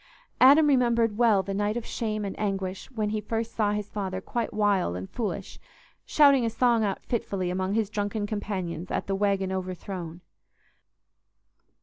Adam remembered well the night of shame and anguish when he first saw his father quite wild and foolish, shouting a song out fitfully among his drunken companions at the "Waggon Overthrown."